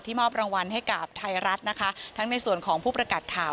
มอบรางวัลให้กับไทยรัฐนะคะทั้งในส่วนของผู้ประกาศข่าว